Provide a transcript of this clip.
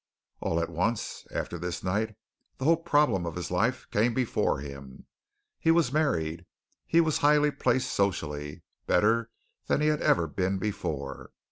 All at once, after this night, the whole problem of his life came before him. He was married; he was highly placed socially, better than he had ever been before.